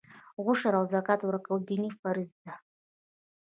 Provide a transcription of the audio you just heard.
عشر او زکات ورکول دیني فریضه ده.